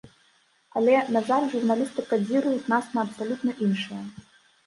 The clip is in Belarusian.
Але, на жаль, журналісты кадзіруюць нас на абсалютна іншае.